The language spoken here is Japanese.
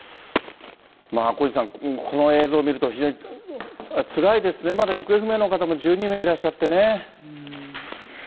小西さん、この映像見ると、非常につらいですね、まだ行方不明の方も１２名いらっしゃってね。